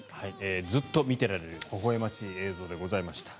ずっと見てられるほほえましい映像でございました。